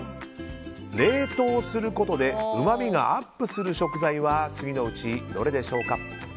冷凍することでうまみがアップする食材は次のうちどれでしょうか。